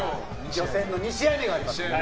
予選の２試合目がありますから。